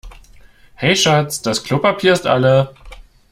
Hey Schatz, das Klopapier ist alle.